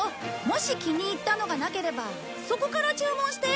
もし気に入ったのがなければそこから注文して。